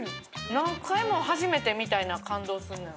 何回も初めてみたいな感動する。